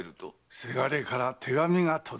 せがれから手紙が届いたのだ。